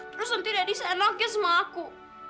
terus nanti dadi seenaknya sama aku